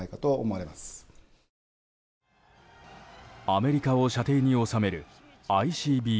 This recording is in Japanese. アメリカを射程に収めるＩＣＢＭ。